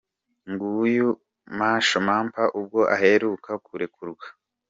Nguyu Masho Mampa ubwo aheruka kurekurwa.